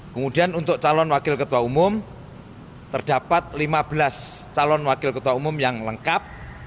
kemudian untuk calon wakil ketua umum terdapat lima belas calon wakil ketua umum yang lengkap